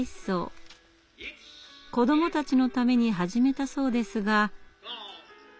子どもたちのために始めたそうですが。